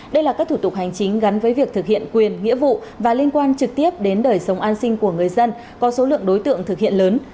đây là các thủ tục hành chính gắn với việc thực hiện quyền nghĩa vụ và liên quan trực tiếp đến đời sống an sinh của người dân có số lượng đối tượng thực hiện lớn